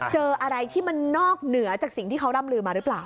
เจออะไรที่มันนอกเหนือจากสิ่งที่เขาร่ำลือมาหรือเปล่า